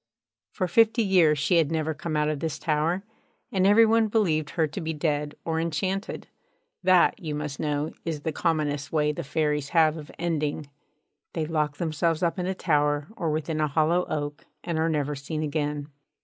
For fifty years she had never come out of this tower, and every one believed her to be dead or enchanted. That, you must know, is the commonest way the Fairies have of ending: they lock themselves up in a tower or within a hollow oak, and are never seen again.